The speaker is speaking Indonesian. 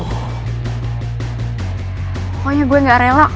pokoknya gue gak rela